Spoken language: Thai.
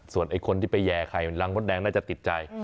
ส่วนไอ้คนที่ไปแย่ใครล้างพ้นแดงน่าจะติดใจ